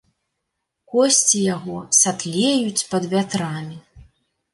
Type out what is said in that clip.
Косці яго сатлеюць пад вятрамі.